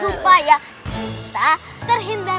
supaya kita terhindar